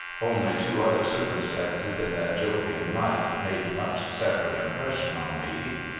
Only two other cir cumstances in that jovial night made much separate impression on me.